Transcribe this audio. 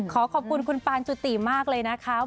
ขอขอบคุณคุณปานจุติมากเลยนะคะ